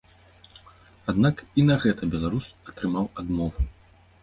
Аднак і на гэта беларус атрымаў адмову.